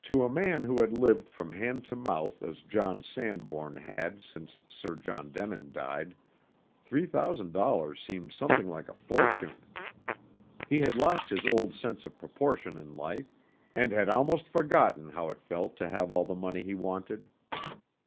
To a man who had lived from hand to mouth as John Sanbourne had since Sir John Denin died, three thousand dollars seemed something like a fortune. He had lost his old sense of proportion in life, and had almost forgotten how it felt to have all the money he wanted.